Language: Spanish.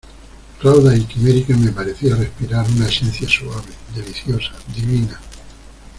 raudas y quiméricas, me parecía respirar una esencia suave , deliciosa , divina: